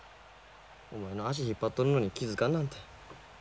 お前の足引っ張っとるのに気付かんなんて。